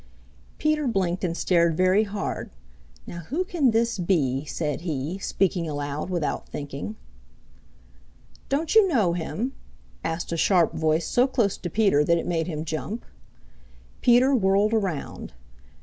Peter blinked and stared very hard. "Now who can this be?" said he, speaking aloud without thinking. "Don't you know him?" asked a sharp voice so close to Peter that it made him jump. Peter whirled around.